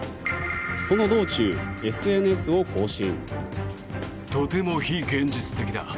その道中、ＳＮＳを更新。